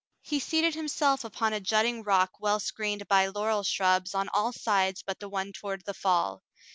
He seated himself upon a jutting rock well screened by laurel shrubs on all sides but the one toward the fall.